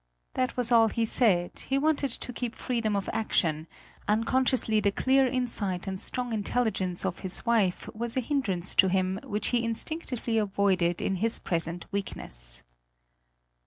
That was all he said; he wanted to keep freedom of action; unconsciously the clear insight and strong intelligence of his wife was a hindrance to him which he instinctively avoided in his present weakness.